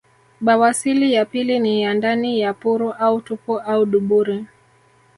Bawasili ya pili ni ya ndani ya puru au tupu au duburi